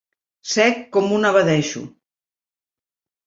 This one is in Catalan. Sec com un abadejo.